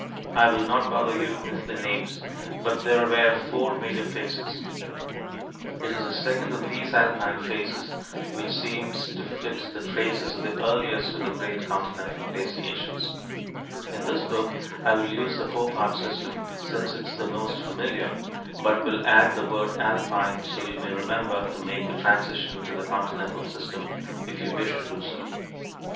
I will not bother you with the names, but there were four major phases. It is the second of these alpine phases which seems to fit the traces of the earliest of the great continental glaciations. In this book, I will use the four part system, since it is the most familiar, but will add the word alpine so you may remember to make the transition to the continental system if you wish to do so.